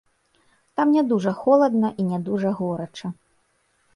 Там не дужа холадна і не дужа горача.